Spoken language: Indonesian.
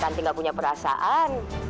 karena tanti gak punya perasaan